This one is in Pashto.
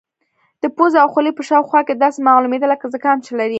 د پوزې او خولې په شاوخوا کې داسې معلومېده لکه زکام چې لري.